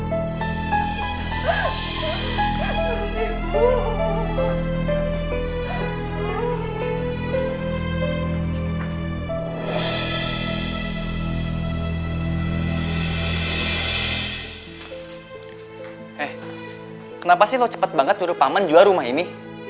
eh kenapa sih lo cepat banget turut pak man jual rumah ini